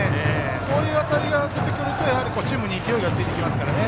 こういう当たりが出てくるとチームに勢いがついてきますからね。